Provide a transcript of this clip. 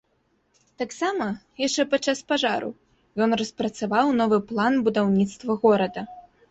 Таксама, яшчэ падчас пажару, ён распрацаваў новы план будаўніцтва горада.